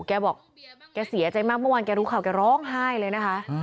แกบอกแกเสียใจมากเมื่อวานแกรู้ข่าวแกร้องไห้เลยนะคะ